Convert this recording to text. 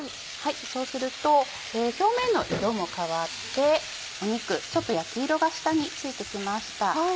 そうすると表面の色も変わって肉ちょっと焼き色が下について来ました。